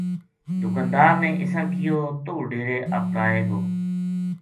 دکاندار نے اِساں کہیو ـ" توہ ڈیرے اپڑائے گو